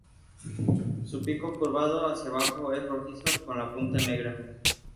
Su pico curvado hacia abajo es rojizo con la punta negra.